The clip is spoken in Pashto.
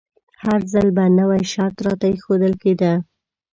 هر ځل به نوی شرط راته ایښودل کیده.